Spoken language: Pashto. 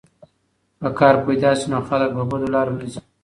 که کار پیدا سي نو خلک په بدو لارو نه ځي.